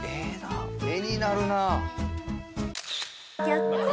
絵になるなぁ。